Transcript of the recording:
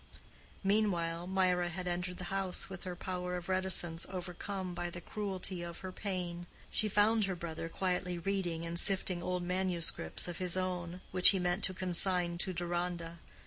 Meanwhile Mirah had entered the house with her power of reticence overcome by the cruelty of her pain. She found her brother quietly reading and sifting old manuscripts of his own, which he meant to consign to Deronda.